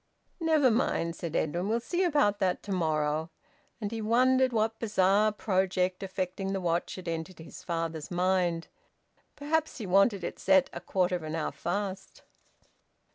"Never mind," said Edwin. "We'll see about that tomorrow." And he wondered what bizarre project affecting the watch had entered his father's mind. Perhaps he wanted it set a quarter of an hour fast.